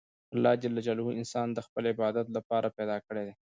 الله جل جلاله انسان د خپل عبادت له پاره پیدا کړى دئ.